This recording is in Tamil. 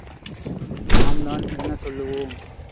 நாம்தான் என்ன சொல்லுவோம்?